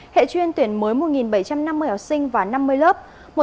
hệ chuyên tuyển mới một bảy trăm năm mươi học sinh và năm mươi lớp